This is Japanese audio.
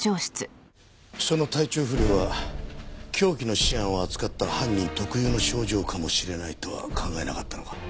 その体調不良は凶器のシアンを扱った犯人特有の症状かもしれないとは考えなかったのか？